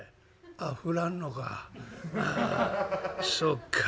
あそっか。